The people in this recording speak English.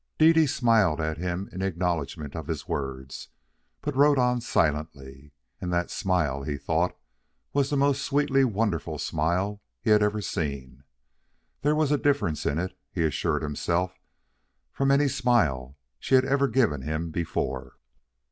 Dede smiled at him in acknowledgment of his words, but rode on silently. And that smile, he thought, was the most sweetly wonderful smile he had ever seen. There was a difference in it, he assured himself, from any smile she had ever given him before.